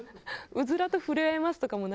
「うずらと触れ合えます」とかも。